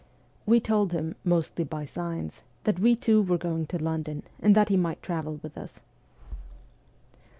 We told him, mostly by signs, that we too were going to London, and that he might travel with us.